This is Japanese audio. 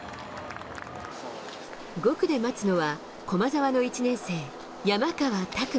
５区で待つのは、駒澤の１年生、山川拓馬。